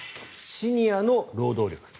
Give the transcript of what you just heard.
シニアの労働力。